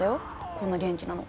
こんな元気なの。